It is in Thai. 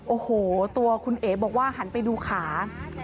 โอ้โหตัวคุณเอ๋บอกว่าหันไปดูขา